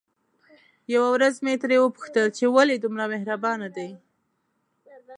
يوه ورځ مې ترې وپوښتل چې ولې دومره مهربانه دي؟